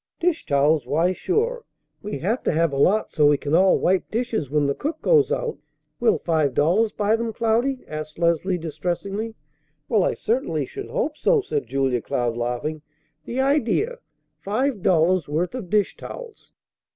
"Dish towels! Why, sure. We have to have a lot so we can all wipe dishes when the cook goes out. Will five dollars buy them, Cloudy?" asked Leslie distressingly. "Well, I certainly should hope so!" said Julia Cloud, laughing. "The idea! Five dollars' worth of dish towels!"